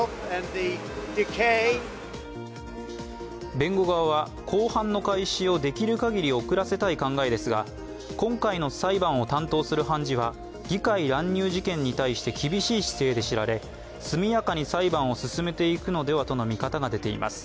弁護側は公判の開始をできるかぎり遅らせたい考えですが、今回の裁判を担当する判事は議会乱入事件に対して厳しい姿勢で知られ速やかに裁判を進めていくのではとの見方が出ています。